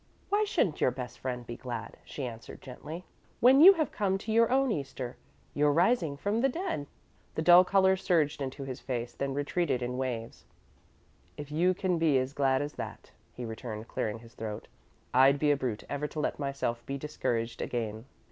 "Why shouldn't your best friend be glad," she had answered gently, "when you have come to your own Easter your rising from the dead?" The dull colour surged into his face, then retreated in waves. "If you can be as glad as that," he returned, clearing his throat, "I'd be a brute ever to let myself be discouraged again."